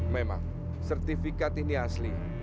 memang sertifikat ini asli